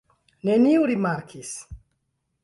Neniu rimarkis!